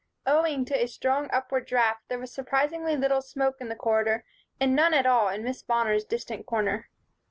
Owing to a strong upward draft, there was surprisingly little smoke in this corridor and none at all in Miss Bonner's distant corner.